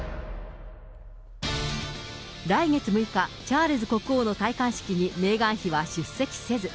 来月６日、チャールズ国王の戴冠式にメーガン妃は出席せず。